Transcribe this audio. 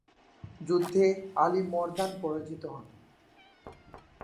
যুদ্ধে আলী মর্দান পরাজিত হন।